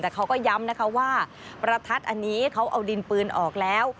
แต่เขาก็ย้ำนะคะว่าประทัดอันนี้เขาเอาดินปืนออกแล้ว